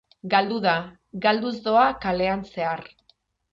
Galdu da, galduz doa kalean zehar.